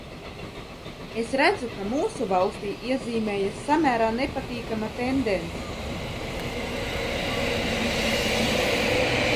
Es redzu, ka mūsu valstī iezīmējas samērā nepatīkama tendence.